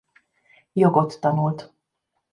Jogot tanult.